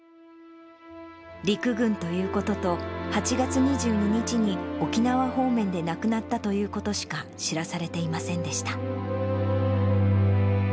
陸軍ということと、８月２２日に沖縄方面で亡くなったということしか知らされていませんでした。